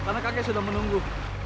karena kakek sudah menunggu